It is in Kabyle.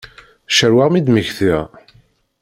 Ccarweɣ mi d-mmektiɣ.